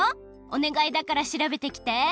おねがいだからしらべてきて！